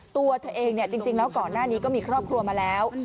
ตัวเธอเองจริงแล้วก่อนหน้านี้ก็มีครอบครัวมาแล้ว